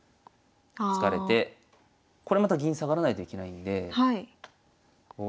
これまた銀下がらないといけないんで。